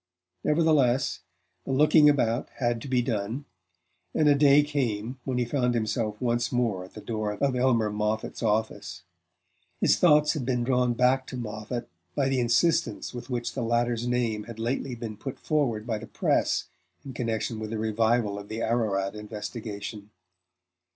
Nevertheless, the looking about had to be done; and a day came when he found himself once more at the door of Elmer Moffatt's office. His thoughts had been drawn back to Moffatt by the insistence with which the latter's name had lately been put forward by the press in connection with a revival of the Ararat investigation.